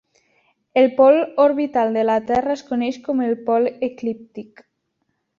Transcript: El pol orbital de la terra es coneix com el pol eclíptic.